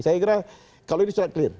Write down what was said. saya kira kalau ini sudah clear